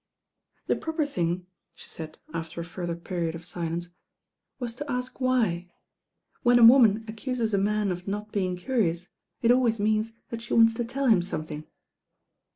"The proper thing," she said after a further period of silence, "was to ask why. When a woman accuses a man of not being curious, it always means that she wants to tell him something."